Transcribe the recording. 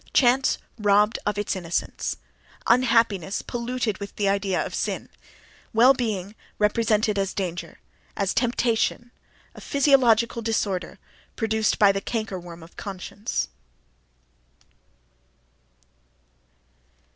Chance robbed of its innocence; unhappiness polluted with the idea of "sin"; well being represented as a danger, as a "temptation"; a physiological disorder produced by the canker worm of conscience....